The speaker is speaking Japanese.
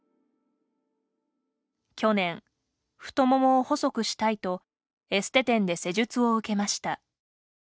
去年、太ももを細くしたいとエステ店で施術を受けました。